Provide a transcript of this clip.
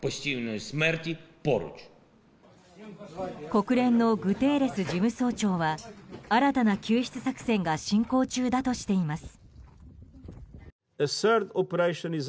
国連のグテーレス事務総長は新たな救出作戦が進行中だとしています。